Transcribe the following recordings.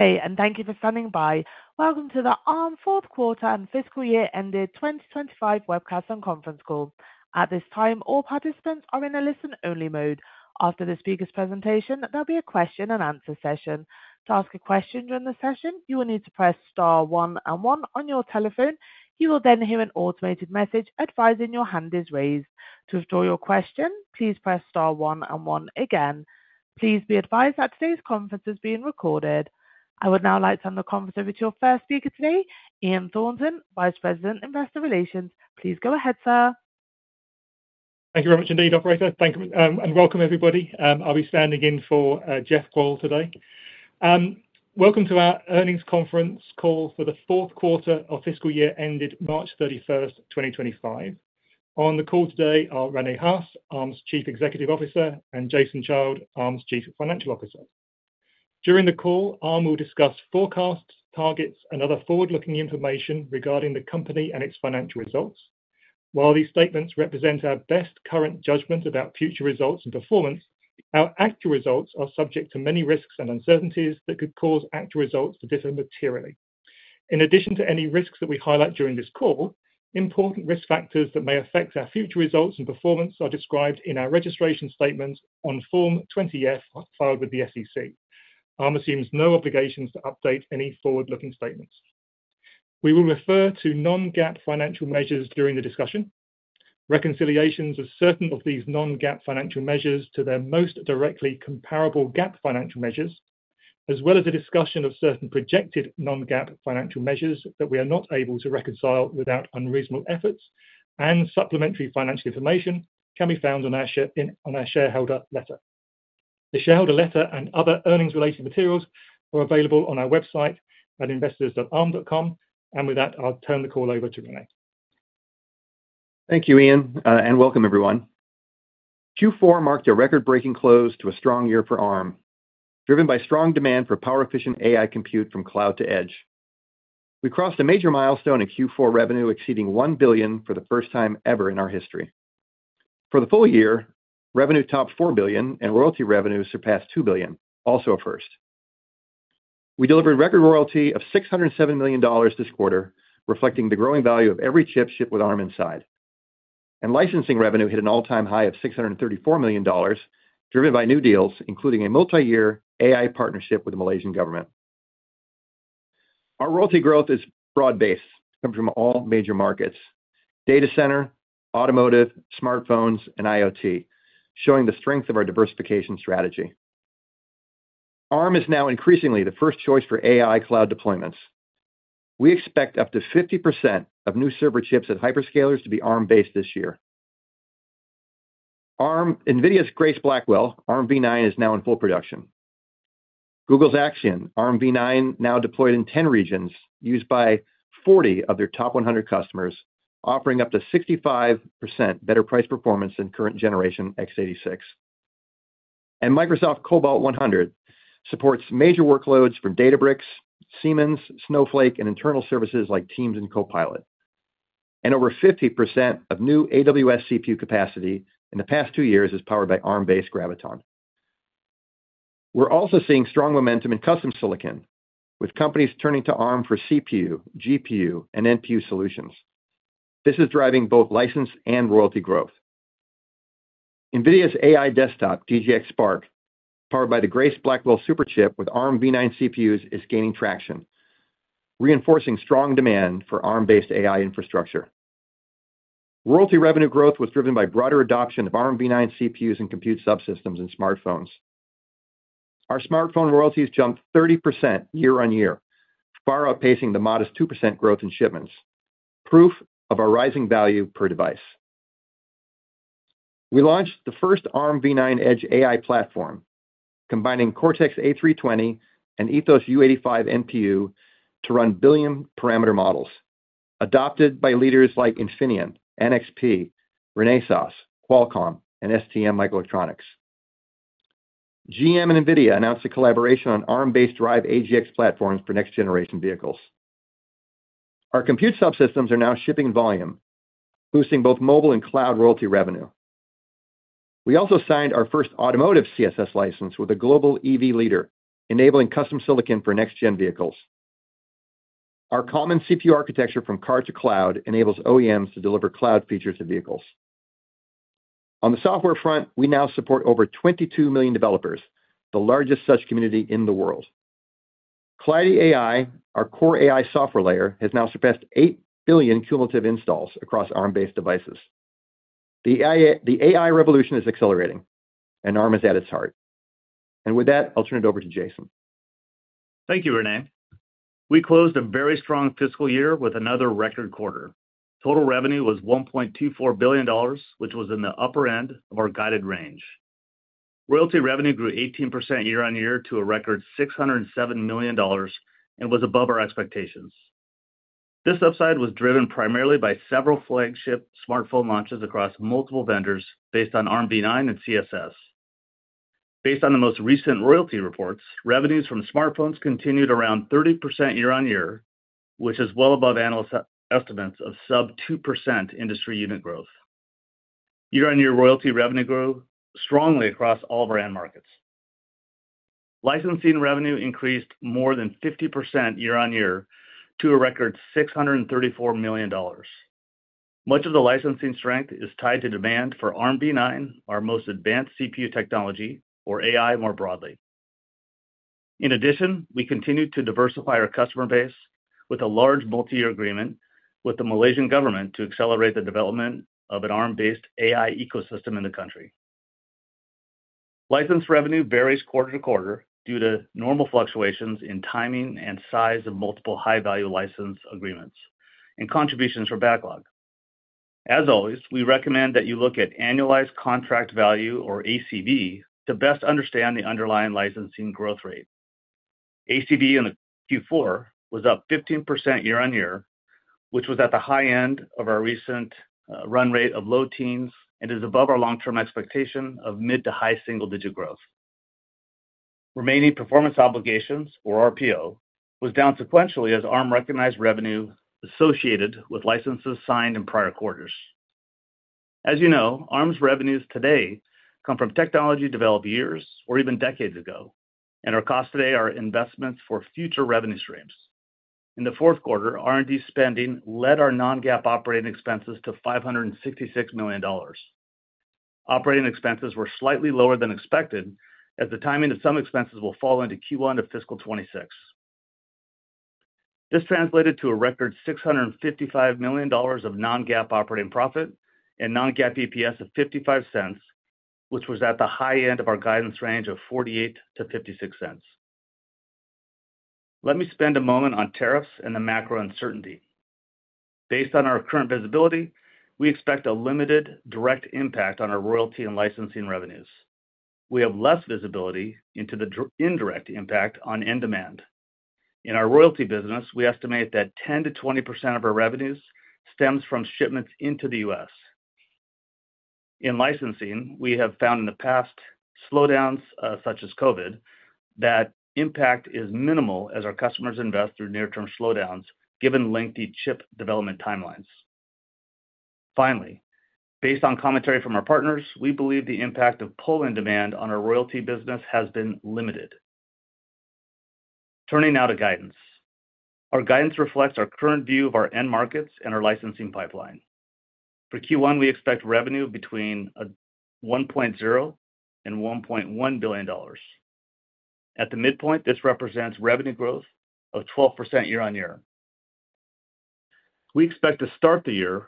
Thank you for standing by. Welcome to the Arm FQ and FYE 2025 webcast and conference call. At this time, all participants are in a listen-only mode. After the speaker's presentation, there will be a question-and-answer session. To ask a question during the session, you will need to press star one and one on your telephone. You will then hear an automated message advising your hand is raised. To withdraw your question, please press star one and one again. Please be advised that today's conference is being recorded. I would now like to turn the conference over to our first speaker today, Ian Thornton, Vice President, Investor Relations. Please go ahead, sir. Thank you very much indeed, Operator. Thank you, and welcome everybody. I'll be standing in for Jeff Kvaal today. Welcome to our earnings conference call for the fourth quarter of fiscal year ended March 31, 2025. On the call today are Rene Haas, Arm's Chief Executive Officer, and Jason Child, Arm's Chief Financial Officer. During the call, Arm will discuss forecasts, targets, and other forward-looking information regarding the company and its financial results. While these statements represent our best current judgment about future results and performance, our actual results are subject to many risks and uncertainties that could cause actual results to differ materially. In addition to any risks that we highlight during this call, important risk factors that may affect our future results and performance are described in our registration statements on Form 20F filed with the SEC. Arm assumes no obligations to update any forward-looking statements. We will refer to non-GAAP financial measures during the discussion. Reconciliations of certain of these non-GAAP financial measures to their most directly comparable GAAP financial measures, as well as a discussion of certain projected non-GAAP financial measures that we are not able to reconcile without unreasonable efforts, and supplementary financial information can be found on our shareholder letter. The shareholder letter and other earnings-related materials are available on our website at investors.arm.com, and with that, I'll turn the call over to Rene. Thank you, Ian, and welcome everyone. Q4 marked a record-breaking close to a strong year for Arm, driven by strong demand for power-efficient AI compute from cloud to edge. We crossed a major milestone in Q4 revenue exceeding $1 billion for the first time ever in our history. For the full year, revenue topped $4 billion, and royalty revenue surpassed $2 billion, also a first. We delivered record royalty of $607 million this quarter, reflecting the growing value of every chip shipped with Arm inside. Licensing revenue hit an all-time high of $634 million, driven by new deals, including a multi-year AI partnership with the Malaysian government. Our royalty growth is broad-based, coming from all major markets: data center, automotive, smartphones, and IoT, showing the strength of our diversification strategy. Arm is now increasingly the first choice for AI cloud deployments. We expect up to 50% of new server chips at hyperscalers to be Arm-based this year. Nvidia's Grace Blackwell Arm V9 is now in full production. Google's Axion Arm V9, now deployed in 10 regions, is used by 40 of their top 100 customers, offering up to 65% better price performance than current-generation x86. Microsoft Cobalt 100 supports major workloads from Databricks, Siemens, Snowflake, and internal services like Teams and Copilot. Over 50% of new AWS CPU capacity in the past two years is powered by Arm-based Graviton. We are also seeing strong momentum in custom silicon, with companies turning to Arm for CPU, GPU, and NPU solutions. This is driving both license and royalty growth. Nvidia's AI desktop, GGX Spark, powered by the Grace Blackwell Superchip with Arm V9 CPUs, is gaining traction, reinforcing strong demand for Arm-based AI infrastructure. Royalty revenue growth was driven by broader adoption of Arm V9 CPUs and compute subsystems in smartphones. Our smartphone royalties jumped 30% year-on-year, far outpacing the modest 2% growth in shipments, proof of our rising value per device. We launched the first Arm V9 Edge AI platform, combining Cortex-A320 and Ethos-U85 NPU to run billion-parameter models, adopted by leaders like Infineon, NXP, Renesas, Qualcomm, and STMicroelectronics. GM and NVIDIA announced a collaboration on Arm-based Drive AGX platforms for next-generation vehicles. Our compute subsystems are now shipping volume, boosting both mobile and cloud royalty revenue. We also signed our first automotive CSS license with a global EV leader, enabling custom silicon for next-gen vehicles. Our common CPU architecture from car to cloud enables OEMs to deliver cloud features to vehicles. On the software front, we now support over 22 million developers, the largest such community in the world. Cloudy AI, our core AI software layer, has now surpassed 8 billion cumulative installs across Arm-based devices. The AI revolution is accelerating, and Arm is at its heart. With that, I'll turn it over to Jason. Thank you, Rene. We closed a very strong fiscal year with another record quarter. Total revenue was $1.24 billion, which was in the upper end of our guided range. Royalty revenue grew 18% year-on-year to a record $607 million and was above our expectations. This upside was driven primarily by several flagship smartphone launches across multiple vendors based on Arm V9 and CSS. Based on the most recent royalty reports, revenues from smartphones continued around 30% year-on-year, which is well above analysts' estimates of sub-2% industry unit growth. Year-on-year royalty revenue grew strongly across all brand markets. Licensing revenue increased more than 50% year-on-year to a record $634 million. Much of the licensing strength is tied to demand for Arm V9, our most advanced CPU technology, or AI more broadly. In addition, we continue to diversify our customer base with a large multi-year agreement with the Malaysian government to accelerate the development of an Arm-based AI ecosystem in the country. License revenue varies quarter to quarter due to normal fluctuations in timing and size of multiple high-value license agreements and contributions for backlog. As always, we recommend that you look at annualized contract value, or ACV, to best understand the underlying licensing growth rate. ACV in Q4 was up 15% year-on-year, which was at the high end of our recent run rate of low teens and is above our long-term expectation of mid to high single-digit growth. Remaining performance obligations, or RPO, was down sequentially as Arm recognized revenue associated with licenses signed in prior quarters. As you know, Arm's revenues today come from technology developed years or even decades ago, and our costs today are investments for future revenue streams. In the fourth quarter, R&D spending led our non-GAAP operating expenses to $566 million. Operating expenses were slightly lower than expected, as the timing of some expenses will fall into Q1 of fiscal 2026. This translated to a record $655 million of non-GAAP operating profit and non-GAAP EPS of $0.55, which was at the high end of our guidance range of $0.48-$0.56. Let me spend a moment on tariffs and the macro uncertainty. Based on our current visibility, we expect a limited direct impact on our royalty and licensing revenues. We have less visibility into the indirect impact on end demand. In our royalty business, we estimate that 10%-20% of our revenues stems from shipments into the U.S. In licensing, we have found in the past slowdowns, such as COVID, that impact is minimal as our customers invest through near-term slowdowns, given lengthy chip development timelines. Finally, based on commentary from our partners, we believe the impact of pull-in demand on our royalty business has been limited. Turning now to guidance. Our guidance reflects our current view of our end markets and our licensing pipeline. For Q1, we expect revenue between $1.0 billion and $1.1 billion. At the midpoint, this represents revenue growth of 12% year-on-year. We expect to start the year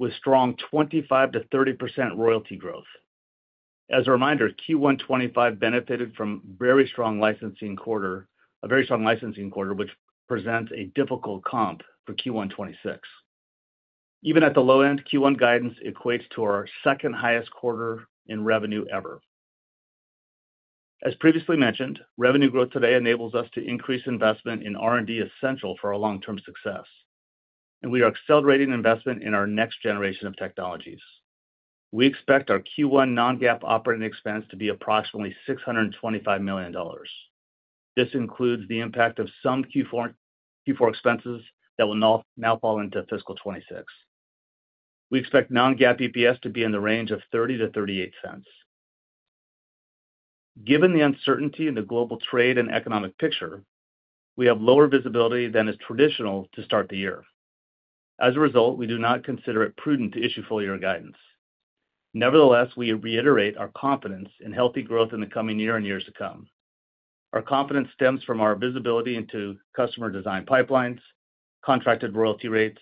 with strong 25%-30% royalty growth. As a reminder, Q1 2025 benefited from a very strong licensing quarter, which presents a difficult comp for Q1 2026. Even at the low end, Q1 guidance equates to our second-highest quarter in revenue ever. As previously mentioned, revenue growth today enables us to increase investment in R&D essential for our long-term success, and we are accelerating investment in our next generation of technologies. We expect our Q1 non-GAAP operating expense to be approximately $625 million. This includes the impact of some Q4 expenses that will now fall into fiscal 2026. We expect non-GAAP EPS to be in the range of $0.30-$0.38. Given the uncertainty in the global trade and economic picture, we have lower visibility than is traditional to start the year. As a result, we do not consider it prudent to issue full-year guidance. Nevertheless, we reiterate our confidence in healthy growth in the coming year and years to come. Our confidence stems from our visibility into customer design pipelines, contracted royalty rates,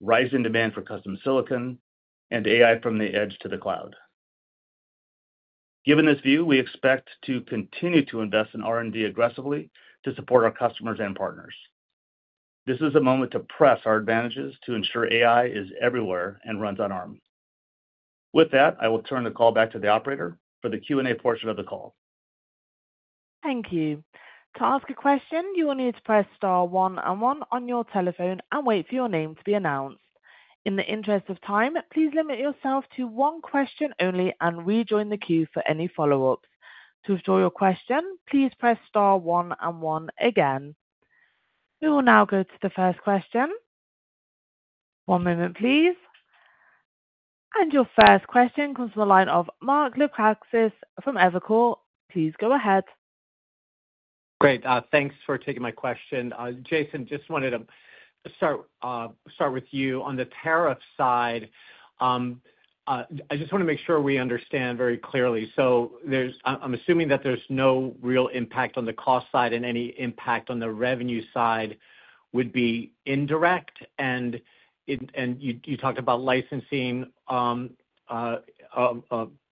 rising demand for custom silicon, and AI from the edge to the cloud. Given this view, we expect to continue to invest in R&D aggressively to support our customers and partners. This is a moment to press our advantages to ensure AI is everywhere and runs on Arm. With that, I will turn the call back to the Operator for the Q&A portion of the call. Thank you. To ask a question, you will need to press star one and one on your telephone and wait for your name to be announced. In the interest of time, please limit yourself to one question only and rejoin the queue for any follow-ups. To withdraw your question, please press star one and one again. We will now go to the first question. One moment, please. Your first question comes from the line of Mark Lipacis from Evercore. Please go ahead. Great. Thanks for taking my question. Jason, just wanted to start with you. On the tariff side, I just want to make sure we understand very clearly. I'm assuming that there's no real impact on the cost side and any impact on the revenue side would be indirect. You talked about licensing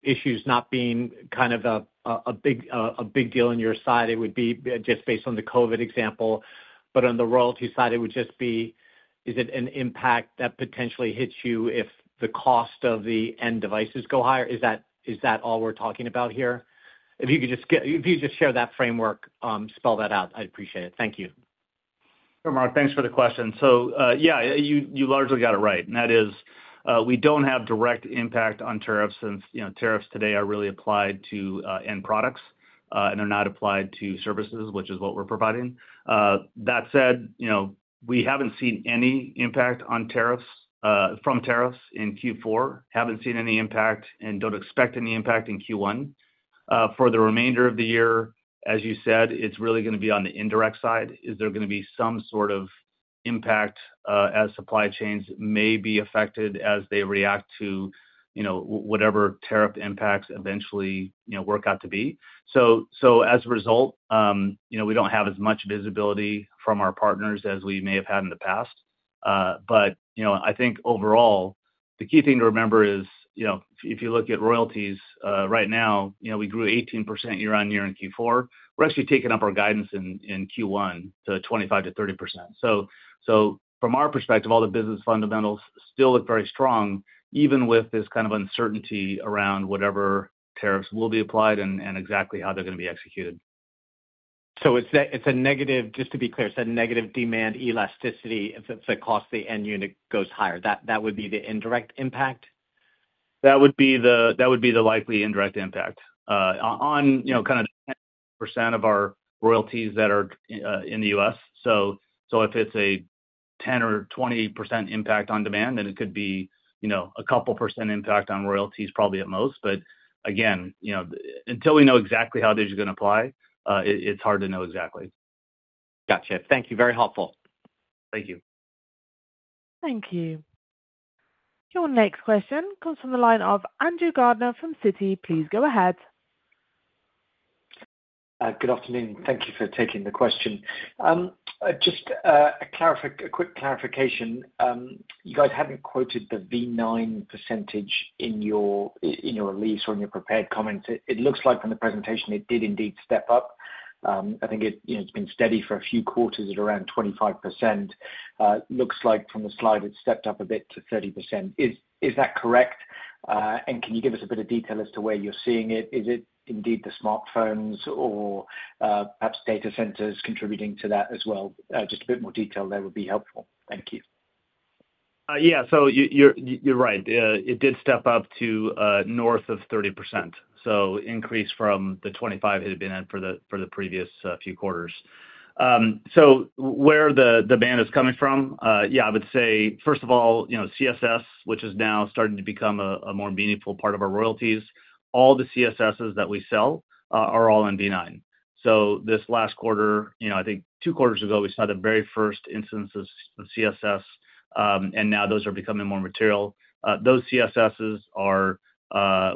issues not being kind of a big deal on your side. It would be just based on the COVID example. On the royalty side, it would just be, is it an impact that potentially hits you if the cost of the end devices go higher? Is that all we're talking about here? If you could just share that framework, spell that out, I'd appreciate it. Thank you. Sure, Mark. Thanks for the question. So yeah, you largely got it right. That is, we do not have direct impact on tariffs since tariffs today are really applied to end products and are not applied to services, which is what we are providing. That said, we have not seen any impact from tariffs in Q4, have not seen any impact, and do not expect any impact in Q1. For the remainder of the year, as you said, it is really going to be on the indirect side. Is there going to be some sort of impact as supply chains may be affected as they react to whatever tariff impacts eventually work out to be? As a result, we do not have as much visibility from our partners as we may have had in the past. I think overall, the key thing to remember is if you look at royalties right now, we grew 18% year-on-year in Q4. We're actually taking up our guidance in Q1 to 25%-30%. From our perspective, all the business fundamentals still look very strong, even with this kind of uncertainty around whatever tariffs will be applied and exactly how they're going to be executed. It's a negative, just to be clear, it's a negative demand elasticity if the cost of the end unit goes higher. That would be the indirect impact? That would be the likely indirect impact on kind of 10% of our royalties that are in the U.S. If it is a 10% or 20% impact on demand, then it could be a couple percent impact on royalties, probably at most. Again, until we know exactly how these are going to apply, it is hard to know exactly. Gotcha. Thank you. Very helpful. Thank you. Thank you. Your next question comes from the line of Andrew Gardiner from Citi. Please go ahead. Good afternoon. Thank you for taking the question. Just a quick clarification. You guys had not quoted the V9 percentage in your release or in your prepared comments. It looks like from the presentation, it did indeed step up. I think it has been steady for a few quarters at around 25%. Looks like from the slide, it stepped up a bit to 30%. Is that correct? Can you give us a bit of detail as to where you are seeing it? Is it indeed the smartphones or perhaps data centers contributing to that as well? Just a bit more detail there would be helpful. Thank you. Yeah. You're right. It did step up to north of 30%, so increase from the 25% it had been at for the previous few quarters. Where the demand is coming from, I would say, first of all, CSS, which is now starting to become a more meaningful part of our royalties. All the CSSs that we sell are all in V9. This last quarter, I think two quarters ago, we saw the very first instances of CSS, and now those are becoming more material. Those CSSs are,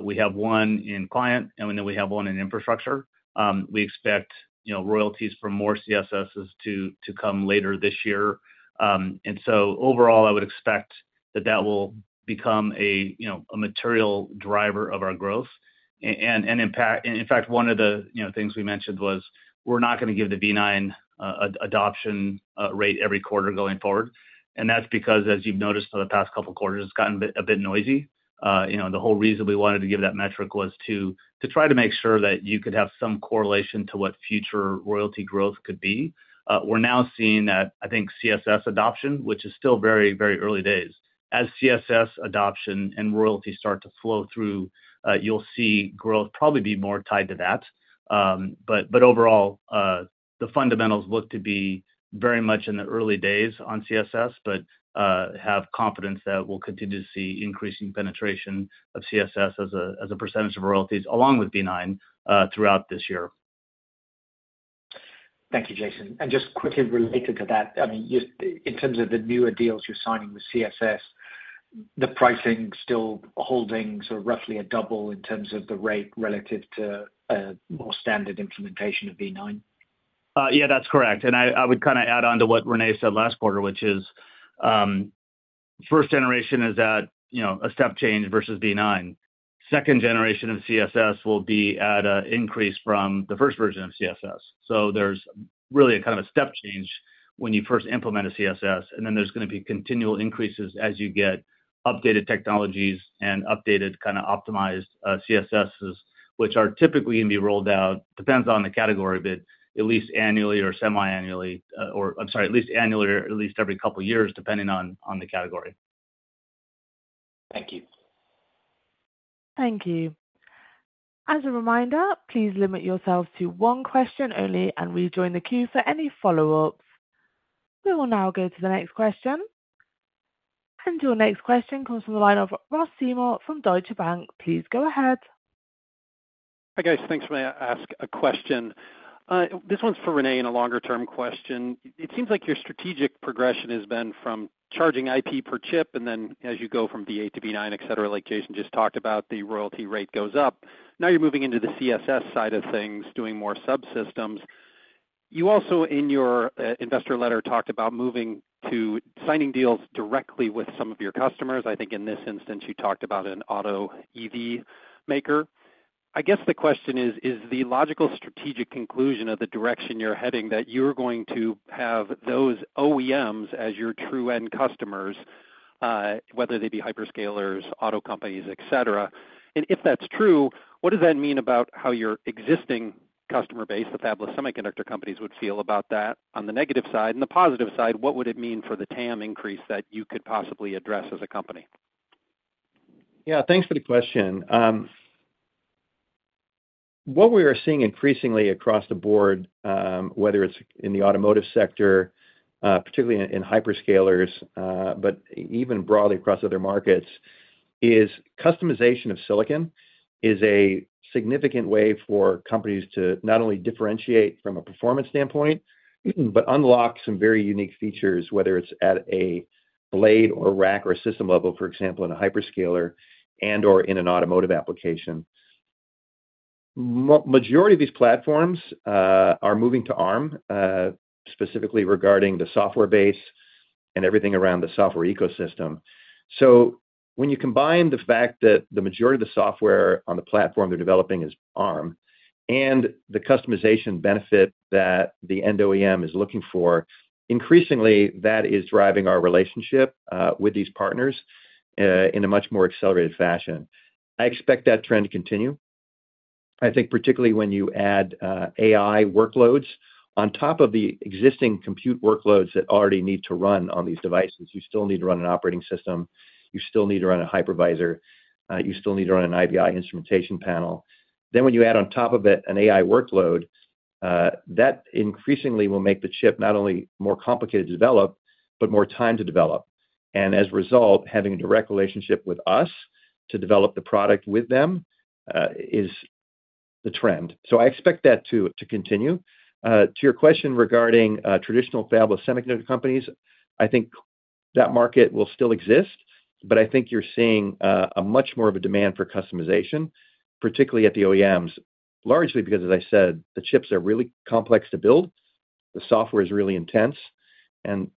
we have one in client, and then we have one in infrastructure. We expect royalties for more CSSs to come later this year. Overall, I would expect that that will become a material driver of our growth. In fact, one of the things we mentioned was we're not going to give the V9 adoption rate every quarter going forward. That is because, as you've noticed for the past couple of quarters, it has gotten a bit noisy. The whole reason we wanted to give that metric was to try to make sure that you could have some correlation to what future royalty growth could be. We are now seeing that, I think, CSS adoption, which is still very, very early days. As CSS adoption and royalty start to flow through, you'll see growth probably be more tied to that. Overall, the fundamentals look to be very much in the early days on CSS, but have confidence that we'll continue to see increasing penetration of CSS as a percentage of royalties along with V9 throughout this year. Thank you, Jason. And just quickly related to that, I mean, in terms of the newer deals you're signing with CSS, the pricing still holding sort of roughly a double in terms of the rate relative to more standard implementation of V9? Yeah, that's correct. I would kind of add on to what Rene said last quarter, which is first generation is at a step change versus V9. Second generation of CSS will be at an increase from the first version of CSS. There is really a kind of a step change when you first implement a CSS, and then there is going to be continual increases as you get updated technologies and updated kind of optimized CSSs, which are typically going to be rolled out, depends on the category, but at least annually or at least every couple of years, depending on the category. Thank you. Thank you. As a reminder, please limit yourself to one question only and rejoin the queue for any follow-ups. We will now go to the next question. Your next question comes from the line of Ross Seymore from Deutsche Bank. Please go ahead. Hi, guys. Thanks for my ask a question. This one's for Rene and a longer-term question. It seems like your strategic progression has been from charging IP per chip, and then as you go from V8 to V9, etc., like Jason just talked about, the royalty rate goes up. Now you're moving into the CSS side of things, doing more subsystems. You also, in your investor letter, talked about moving to signing deals directly with some of your customers. I think in this instance, you talked about an auto EV maker. I guess the question is, is the logical strategic conclusion of the direction you're heading that you're going to have those OEMs as your true end customers, whether they be hyperscalers, auto companies, etc.? If that's true, what does that mean about how your existing customer base, the fabless semiconductor companies, would feel about that? On the negative side and the positive side, what would it mean for the TAM increase that you could possibly address as a company? Yeah. Thanks for the question. What we are seeing increasingly across the board, whether it's in the automotive sector, particularly in hyperscalers, but even broadly across other markets, is customization of silicon is a significant way for companies to not only differentiate from a performance standpoint, but unlock some very unique features, whether it's at a blade or rack or system level, for example, in a hyperscaler and/or in an automotive application. The majority of these platforms are moving to Arm, specifically regarding the software base and everything around the software ecosystem. When you combine the fact that the majority of the software on the platform they're developing is Arm and the customization benefit that the end OEM is looking for, increasingly that is driving our relationship with these partners in a much more accelerated fashion. I expect that trend to continue. I think particularly when you add AI workloads on top of the existing compute workloads that already need to run on these devices, you still need to run an operating system, you still need to run a hypervisor, you still need to run an IBI instrumentation panel. When you add on top of it an AI workload, that increasingly will make the chip not only more complicated to develop, but more time to develop. As a result, having a direct relationship with us to develop the product with them is the trend. I expect that to continue. To your question regarding traditional fabless semiconductor companies, I think that market will still exist, but I think you're seeing much more of a demand for customization, particularly at the OEMs, largely because, as I said, the chips are really complex to build, the software is really intense, and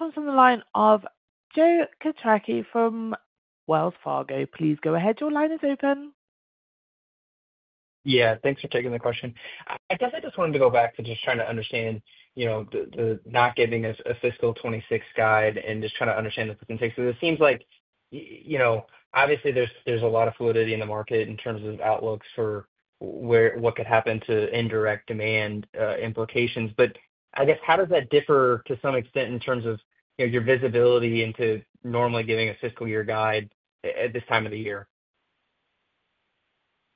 most of that software runs on Arm. Thank you. Thank you. Your next question comes from the line of Joe Quatrochi from Wells Fargo. Please go ahead. Your line is open. Yeah. Thanks for taking the question. I guess I just wanted to go back to just trying to understand the not giving a fiscal 2026 guide and just trying to understand the specifics. Because it seems like obviously there's a lot of fluidity in the market in terms of outlooks for what could happen to indirect demand implications. I guess how does that differ to some extent in terms of your visibility into normally giving a fiscal year guide at this time of the year?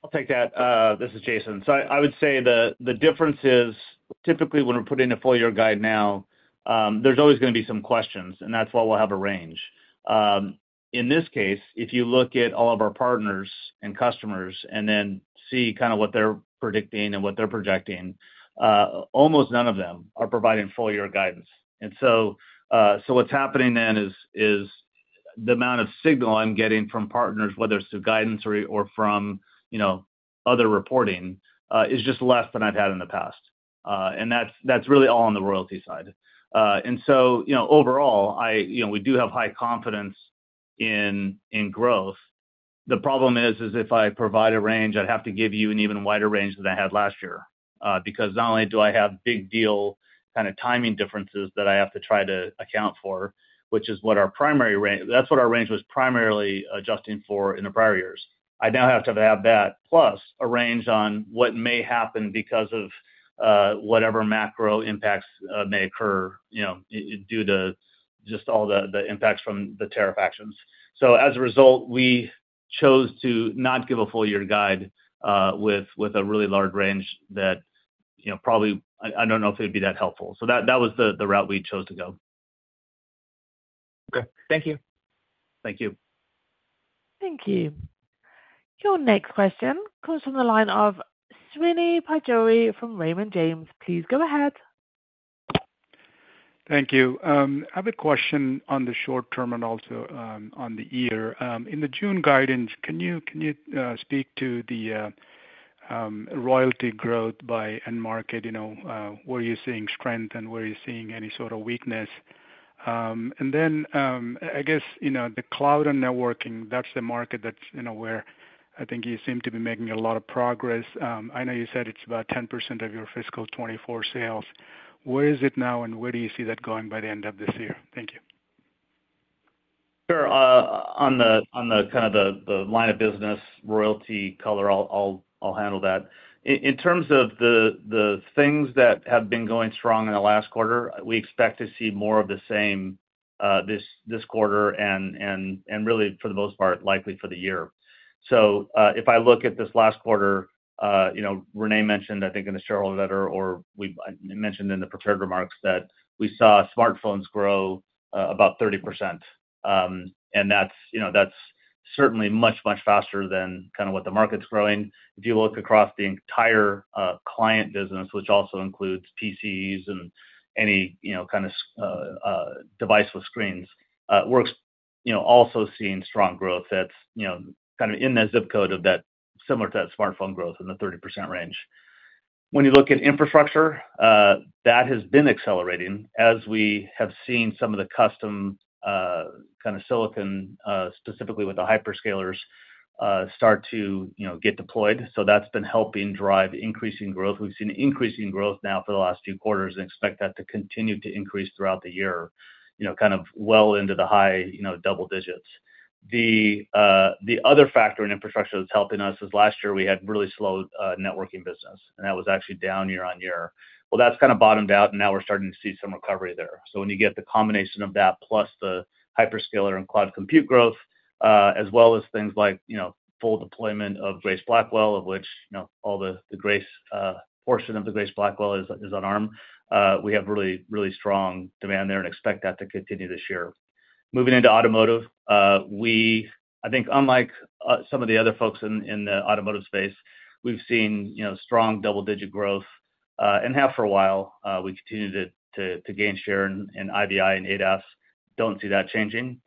I'll take that. This is Jason. I would say the difference is typically when we're putting in a full year guide now, there's always going to be some questions, and that's why we'll have a range. In this case, if you look at all of our partners and customers and then see kind of what they're predicting and what they're projecting, almost none of them are providing full year guidance. What's happening then is the amount of signal I'm getting from partners, whether it's through guidance or from other reporting, is just less than I've had in the past. That's really all on the royalty side. Overall, we do have high confidence in growth. The problem is, if I provide a range, I'd have to give you an even wider range than I had last year. Because not only do I have big deal kind of timing differences that I have to try to account for, which is what our range was primarily adjusting for in the prior years. I now have to have that plus a range on what may happen because of whatever macro impacts may occur due to just all the impacts from the tariff actions. As a result, we chose to not give a full year guide with a really large range that probably I do not know if it would be that helpful. That was the route we chose to go. Okay. Thank you. Thank you. Thank you. Your next question comes from the line of Srini Pajjuri from Raymond James. Please go ahead. Thank you. I have a question on the short term and also on the year. In the June guidance, can you speak to the royalty growth by end market? Where are you seeing strength and where are you seeing any sort of weakness? I guess the cloud and networking, that's the market that's where I think you seem to be making a lot of progress. I know you said it's about 10% of your fiscal 2024 sales. Where is it now and where do you see that going by the end of this year? Thank you. Sure. On the kind of the line of business royalty color, I'll handle that. In terms of the things that have been going strong in the last quarter, we expect to see more of the same this quarter and really, for the most part, likely for the year. If I look at this last quarter, Rene mentioned, I think in the shareholder letter or mentioned in the prepared remarks that we saw smartphones grow about 30%. That's certainly much, much faster than kind of what the market's growing. If you look across the entire client business, which also includes PCs and any kind of device with screens, we're also seeing strong growth that's kind of in that zip code of that similar to that smartphone growth in the 30% range. When you look at infrastructure, that has been accelerating as we have seen some of the custom kind of silicon, specifically with the hyperscalers, start to get deployed. That has been helping drive increasing growth. We have seen increasing growth now for the last few quarters and expect that to continue to increase throughout the year, kind of well into the high double digits. The other factor in infrastructure that is helping us is last year we had really slow networking business, and that was actually down year on year. That has kind of bottomed out, and now we are starting to see some recovery there. When you get the combination of that plus the hyperscaler and cloud compute growth, as well as things like full deployment of Grace Blackwell, of which all the Grace portion of the Grace Blackwell is on Arm, we have really, really strong demand there and expect that to continue this year. Moving into automotive, I think unlike some of the other folks in the automotive space, we've seen strong double-digit growth and have for a while. We continue to gain share in IBI and ADAS. Do not see that changing.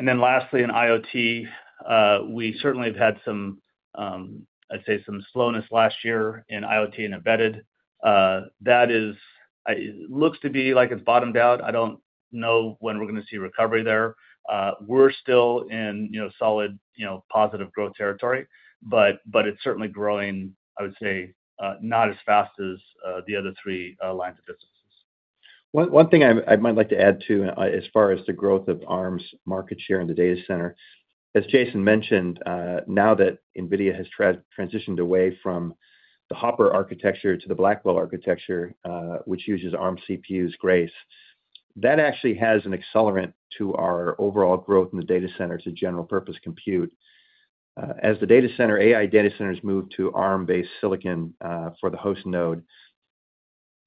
Lastly, in IoT, we certainly have had some, I'd say, some slowness last year in IoT and embedded. That looks to be like it's bottomed out. I do not know when we're going to see recovery there. We're still in solid positive growth territory, but it's certainly growing, I would say, not as fast as the other three lines of businesses. One thing I might like to add too as far as the growth of Arm's market share in the data center, as Jason mentioned, now that NVIDIA has transitioned away from the Hopper architecture to the Blackwell architecture, which uses Arm CPUs, Grace, that actually has an accelerant to our overall growth in the data center to general-purpose compute. As the data center AI data centers move to Arm-based silicon for the host node,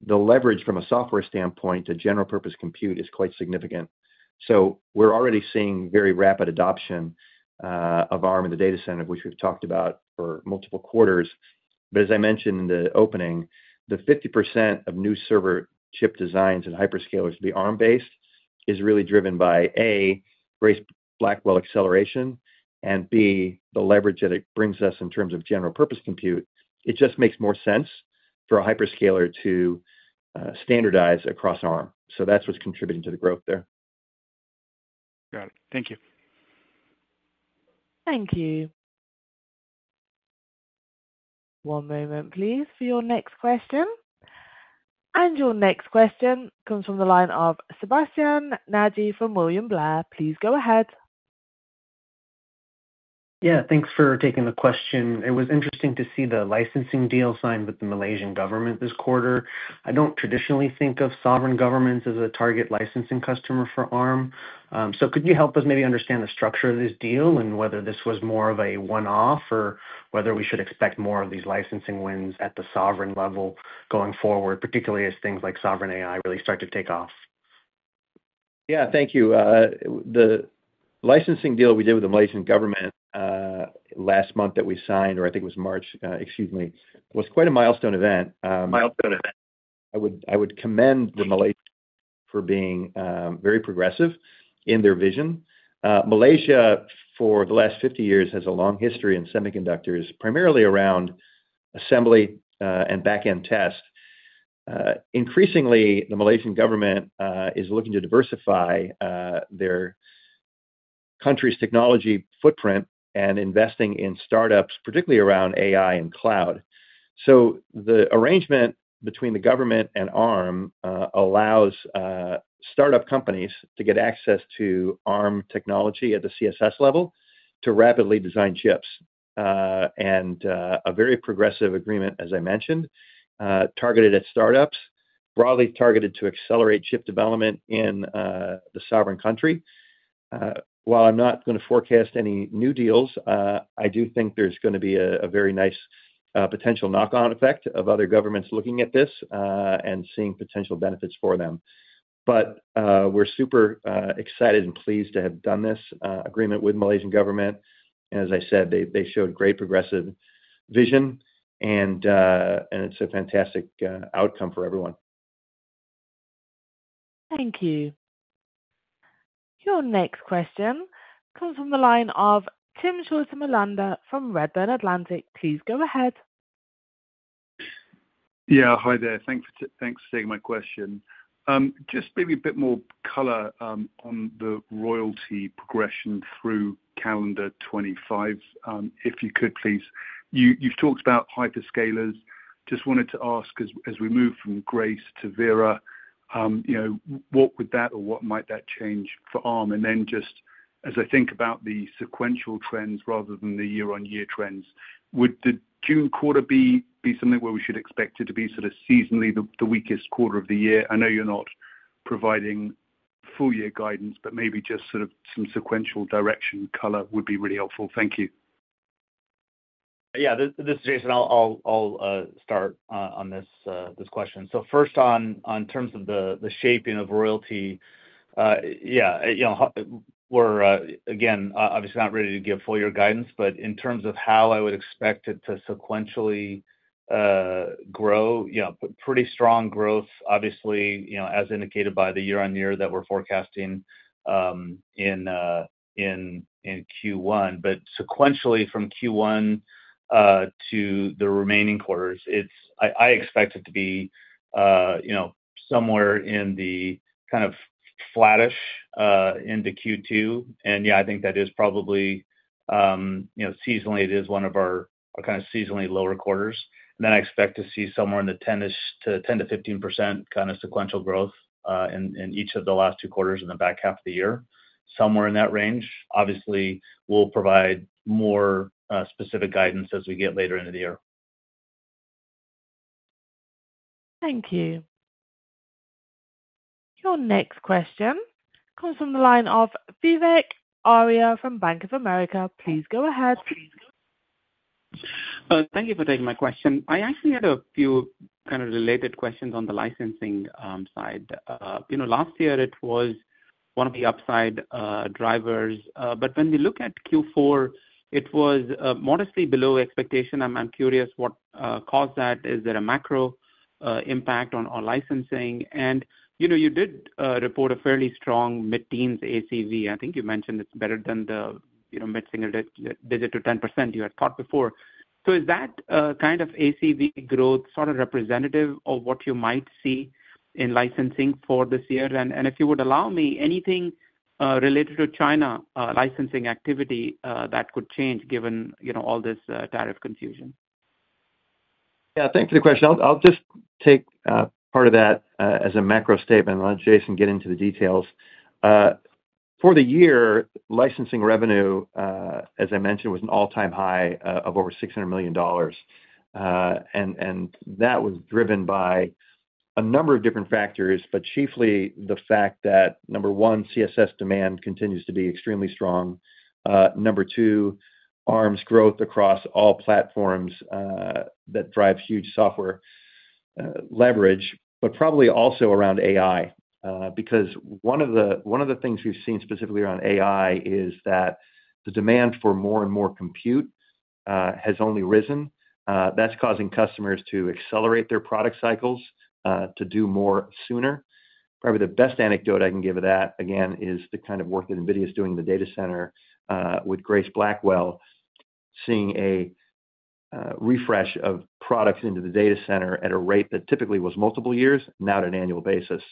the leverage from a software standpoint to general-purpose compute is quite significant. We're already seeing very rapid adoption of Arm in the data center, which we've talked about for multiple quarters. As I mentioned in the opening, the 50% of new server chip designs and hyperscalers to be Arm-based is really driven by, A, Grace Blackwell acceleration, and B, the leverage that it brings us in terms of general-purpose compute. It just makes more sense for a hyperscaler to standardize across Arm. That is what is contributing to the growth there. Got it. Thank you. Thank you. One moment, please, for your next question. Your next question comes from the line of Sebastien Naji from William Blair. Please go ahead. Yeah. Thanks for taking the question. It was interesting to see the licensing deal signed with the Malaysian government this quarter. I do not traditionally think of sovereign governments as a target licensing customer for Arm. Could you help us maybe understand the structure of this deal and whether this was more of a one-off or whether we should expect more of these licensing wins at the sovereign level going forward, particularly as things like sovereign AI really start to take off? Yeah. Thank you. The licensing deal we did with the Malaysian government last month that we signed, or I think it was March, excuse me, was quite a milestone event. Milestone event. I would commend the Malaysian government for being very progressive in their vision. Malaysia, for the last 50 years, has a long history in semiconductors, primarily around assembly and back-end test. Increasingly, the Malaysian government is looking to diversify their country's technology footprint and investing in startups, particularly around AI and cloud. The arrangement between the government and Arm allows startup companies to get access to Arm technology at the CSS level to rapidly design chips. A very progressive agreement, as I mentioned, targeted at startups, broadly targeted to accelerate chip development in the sovereign country. While I'm not going to forecast any new deals, I do think there's going to be a very nice potential knock-on effect of other governments looking at this and seeing potential benefits for them. We're super excited and pleased to have done this agreement with the Malaysian government. As I said, they showed great progressive vision, and it's a fantastic outcome for everyone. Thank you. Your next question comes from the line of Timm Schulze-Melander from Redburn Atlantic. Please go ahead. Yeah. Hi there. Thanks for taking my question. Just maybe a bit more color on the royalty progression through calendar 2025, if you could, please. You've talked about hyperscalers. Just wanted to ask, as we move from Grace to Vera, what would that or what might that change for Arm? And then just as I think about the sequential trends rather than the year-on-year trends, would the June quarter be something where we should expect it to be sort of seasonally the weakest quarter of the year? I know you're not providing full year guidance, but maybe just sort of some sequential direction color would be really helpful. Thank you. Yeah. This is Jason. I'll start on this question. First, on terms of the shaping of royalty, yeah, we're again, obviously not ready to give full year guidance, but in terms of how I would expect it to sequentially grow, pretty strong growth, obviously, as indicated by the year-on-year that we're forecasting in Q1. Sequentially from Q1 to the remaining quarters, I expect it to be somewhere in the kind of flattish into Q2. I think that is probably seasonally, it is one of our kind of seasonally lower quarters. I expect to see somewhere in the 10%-15% kind of sequential growth in each of the last two quarters in the back half of the year, somewhere in that range. Obviously, we'll provide more specific guidance as we get later into the year. Thank you. Your next question comes from the line of Vivek Arya from Bank of America. Please go ahead. Thank you for taking my question. I actually had a few kind of related questions on the licensing side. Last year, it was one of the upside drivers. When we look at Q4, it was modestly below expectation. I'm curious what caused that. Is there a macro impact on licensing? You did report a fairly strong mid-teens ACV. I think you mentioned it's better than the mid-single digit to 10% you had thought before. Is that kind of ACV growth sort of representative of what you might see in licensing for this year? If you would allow me, anything related to China licensing activity that could change given all this tariff confusion? Yeah. Thank you for the question. I'll just take part of that as a macro statement. I'll let Jason get into the details. For the year, licensing revenue, as I mentioned, was an all-time high of over $600 million. That was driven by a number of different factors, but chiefly the fact that, number one, CSS demand continues to be extremely strong. Number two, Arm's growth across all platforms that drive huge software leverage, but probably also around AI. Because one of the things we've seen specifically around AI is that the demand for more and more compute has only risen. That's causing customers to accelerate their product cycles to do more sooner. Probably the best anecdote I can give of that, again, is the kind of work that NVIDIA is doing in the data center with Grace Blackwell, seeing a refresh of products into the data center at a rate that typically was multiple years, now at an annual basis.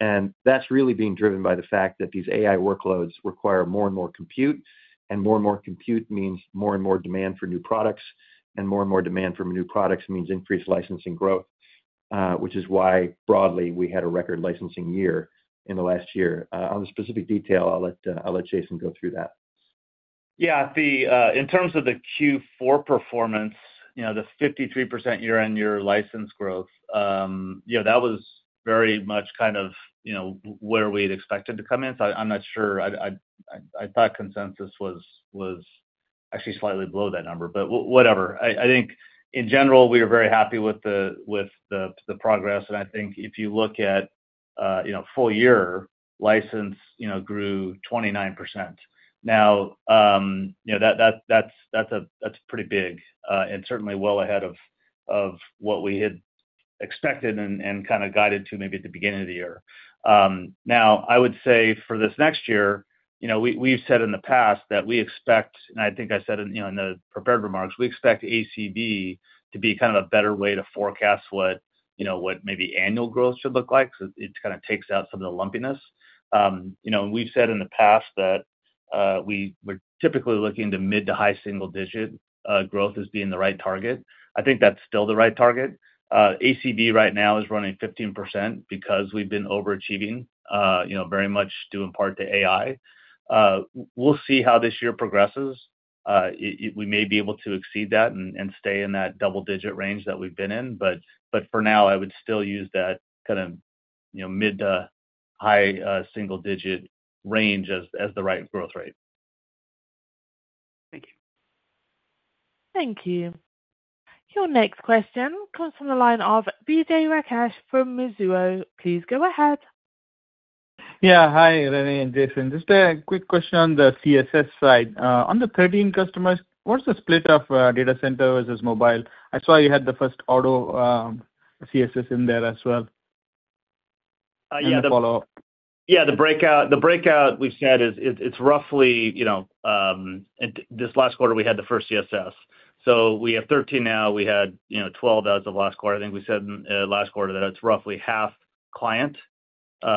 That is really being driven by the fact that these AI workloads require more and more compute. More and more compute means more and more demand for new products. More and more demand for new products means increased licensing growth, which is why broadly we had a record licensing year in the last year. On the specific detail, I'll let Jason go through that. Yeah. In terms of the Q4 performance, the 53% year-on-year license growth, that was very much kind of where we had expected to come in. I am not sure. I thought consensus was actually slightly below that number, but whatever. I think in general, we are very happy with the progress. I think if you look at full year, license grew 29%. Now, that is pretty big and certainly well ahead of what we had expected and kind of guided to maybe at the beginning of the year. I would say for this next year, we have said in the past that we expect, and I think I said in the prepared remarks, we expect ACV to be kind of a better way to forecast what maybe annual growth should look like because it kind of takes out some of the lumpiness. We've said in the past that we were typically looking to mid to high single-digit growth as being the right target. I think that's still the right target. ACV right now is running 15% because we've been overachieving, very much due in part to AI. We'll see how this year progresses. We may be able to exceed that and stay in that double-digit range that we've been in. For now, I would still use that kind of mid to high single-digit range as the right growth rate. Thank you. Thank you. Your next question comes from the line of Vijay Rakesh from Mizuho. Please go ahead. Yeah. Hi, Rene and Jason. Just a quick question on the CSS side. On the 13 customers, what's the split of data center versus mobile? I saw you had the first auto CSS in there as well. Yeah. The breakout we've said is it's roughly this last quarter, we had the first CSS. So we have 13 now. We had 12 as of last quarter. I think we said last quarter that it's roughly half client,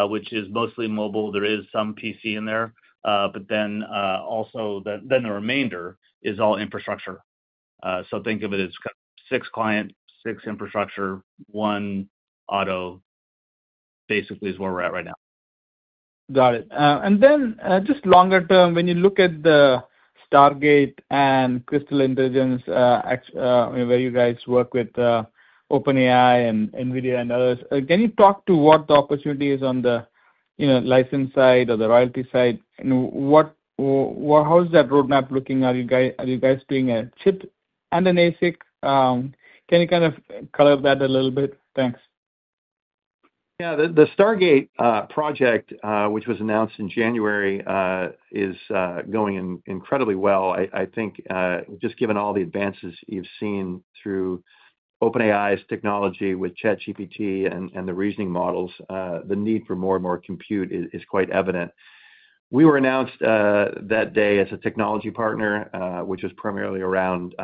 which is mostly mobile. There is some PC in there. The remainder is all infrastructure. Think of it as kind of six client, six infrastructure, one auto, basically is where we're at right now. Got it. And then just longer term, when you look at the Stargate and Crystal Intelligence, where you guys work with OpenAI and NVIDIA and others, can you talk to what the opportunity is on the license side or the royalty side? And how is that roadmap looking? Are you guys doing a chip and an ASIC? Can you kind of color that a little bit? Thanks. Yeah. The Stargate project, which was announced in January, is going incredibly well. I think just given all the advances you've seen through OpenAI's technology with ChatGPT and the reasoning models, the need for more and more compute is quite evident. We were announced that day as a technology partner, which was primarily around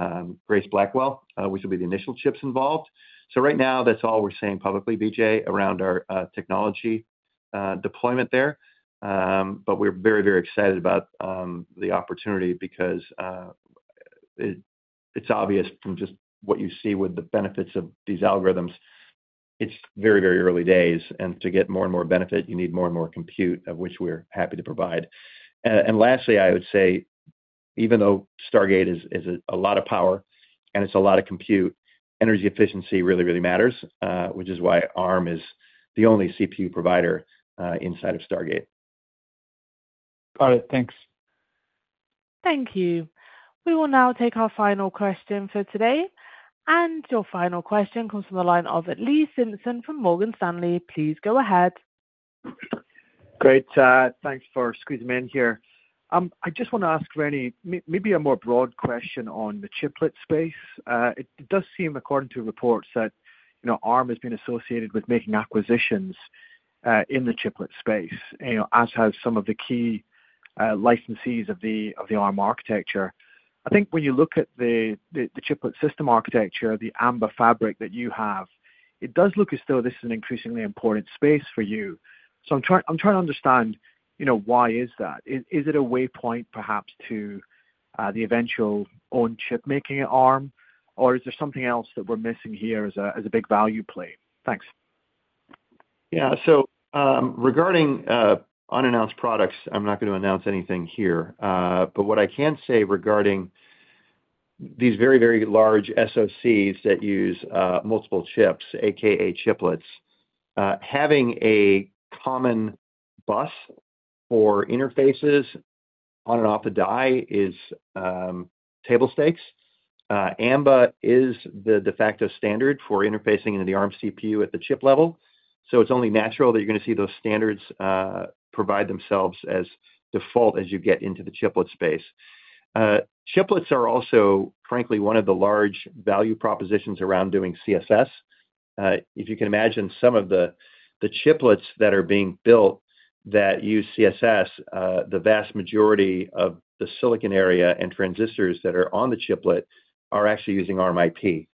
Grace Blackwell, which will be the initial chips involved. Right now, that's all we're saying publicly, BJ, around our technology deployment there. We are very, very excited about the opportunity because it's obvious from just what you see with the benefits of these algorithms. It's very, very early days. To get more and more benefit, you need more and more compute, of which we're happy to provide. Lastly, I would say, even though Stargate is a lot of power and it's a lot of compute, energy efficiency really, really matters, which is why Arm is the only CPU provider inside of Stargate. Got it. Thanks. Thank you. We will now take our final question for today. Your final question comes from the line of Lee Simpson from Morgan Stanley. Please go ahead. Great. Thanks for squeezing me in here. I just want to ask Rene maybe a more broad question on the chiplet space. It does seem, according to reports, that Arm has been associated with making acquisitions in the chiplet space, as have some of the key licensees of the Arm architecture. I think when you look at the chiplet system architecture, the AMBA fabric that you have, it does look as though this is an increasingly important space for you. I am trying to understand why is that? Is it a waypoint perhaps to the eventual own chip making at Arm, or is there something else that we are missing here as a big value play? Thanks. Yeah. Regarding unannounced products, I'm not going to announce anything here. What I can say regarding these very, very large SoCs that use multiple chips, aka chiplets, is that having a common bus for interfaces on and off the die is table stakes. AMBA is the de facto standard for interfacing into the Arm CPU at the chip level. It is only natural that you are going to see those standards provide themselves as default as you get into the chiplet space. Chiplets are also, frankly, one of the large value propositions around doing CSS. If you can imagine some of the chiplets that are being built that use CSS, the vast majority of the silicon area and transistors that are on the chiplet are actually using Arm IP,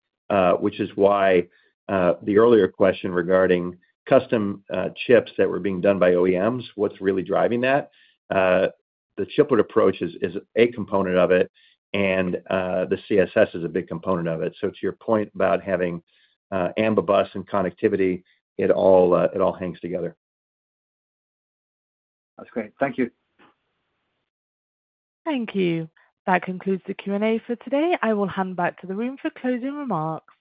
which is why the earlier question regarding custom chips that were being done by OEMs, what is really driving that? The chiplet approach is a component of it, and the CSS is a big component of it. To your point about having AMBA bus and connectivity, it all hangs together. That's great. Thank you. Thank you. That concludes the Q&A for today. I will hand back to the room for closing remarks.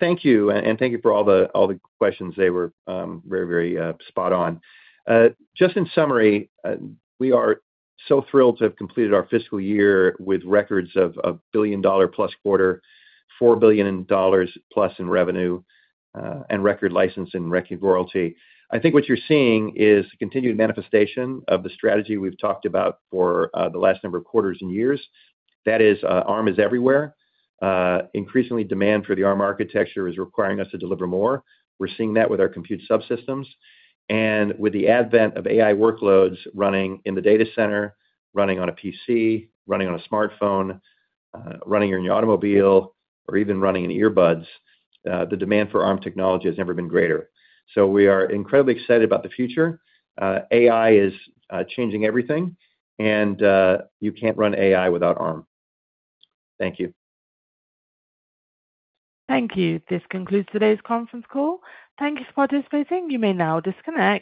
Thank you. Thank you for all the questions. They were very, very spot on. Just in summary, we are so thrilled to have completed our fiscal year with records of a billion-dollar-plus quarter, $4 billion-plus in revenue, and record license and record royalty. I think what you are seeing is a continued manifestation of the strategy we have talked about for the last number of quarters and years. That is, Arm is everywhere. Increasingly, demand for the Arm architecture is requiring us to deliver more. We are seeing that with our compute subsystems. With the advent of AI workloads running in the data center, running on a PC, running on a smartphone, running in your automobile, or even running in earbuds, the demand for Arm technology has never been greater. We are incredibly excited about the future. AI is changing everything, and you cannot run AI without Arm. Thank you. Thank you. This concludes today's conference call. Thank you for participating. You may now disconnect.